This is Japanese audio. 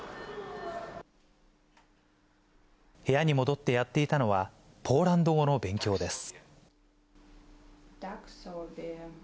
部屋に戻ってやっていたのは、ポーランド語の勉強です。